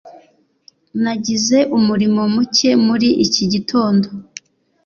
Nagize umuriro muke muri iki gitondo.